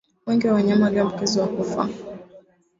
Wengi wa wanyama walioambukizwa hufa